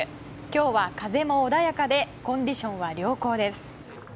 今日は風も穏やかでコンディションは良好です。